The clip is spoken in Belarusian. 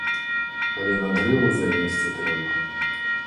Але на дрэва залезці трэба.